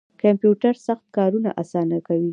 کمپیوټر سخت کارونه اسانه کوي